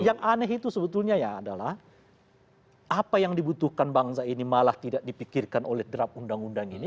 yang aneh itu sebetulnya ya adalah apa yang dibutuhkan bangsa ini malah tidak dipikirkan oleh draft undang undang ini